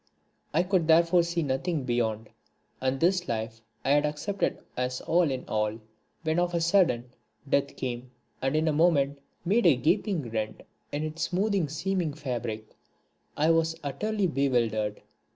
I could therefore see nothing beyond, and this life I had accepted as all in all. When of a sudden death came and in a moment made a gaping rent in its smooth seeming fabric, I was utterly bewildered.